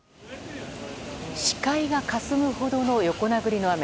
視界がかすむほどの横殴りの雨。